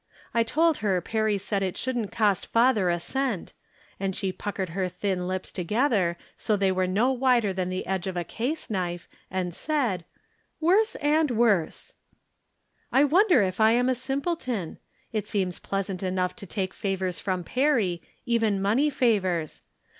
I told her Perry said it shouldn't cost father a cent, and she puckered her thin lips together so they were no wider than the edge of a case knife, and said :" Worse and worse !" I wonder if I am a simpleton ? It seems pleas ant enough to take favors from Perry, even money favors.